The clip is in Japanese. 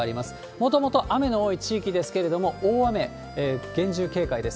もともと雨の多い地域ですけれども、大雨、厳重警戒です。